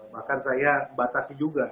bahkan saya batasi juga